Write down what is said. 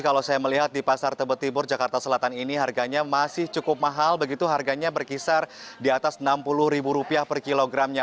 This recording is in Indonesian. kalau saya melihat di pasar tebet timur jakarta selatan ini harganya masih cukup mahal begitu harganya berkisar di atas rp enam puluh per kilogramnya